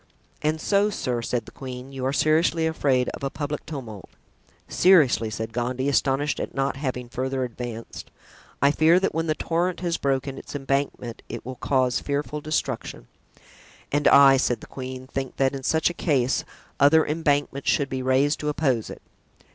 "And so, sir," said the queen, "you are seriously afraid of a public tumult." "Seriously," said Gondy, astonished at not having further advanced; "I fear that when the torrent has broken its embankment it will cause fearful destruction." "And I," said the queen, "think that in such a case other embankments should be raised to oppose it.